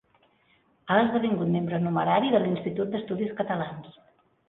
Ha esdevingut membre numerari de l'Institut d'Estudis Catalans.